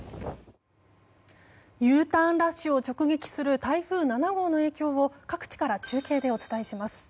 Ｕターンラッシュを直撃する台風７号の影響を各地から中継でお伝えします。